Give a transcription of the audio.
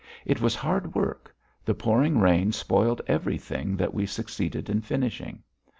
It was hard work; the pouring rain spoiled everything that we succeeded in finishing.